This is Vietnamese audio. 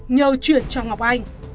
nhờ chuyển cho ngọc anh